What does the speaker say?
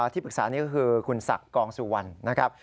ที่ปรึกษานี้ก็คือคุณศักดิ์กองสุวรรณนะครับ